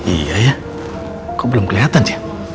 iya ya kok belum kelihatan sih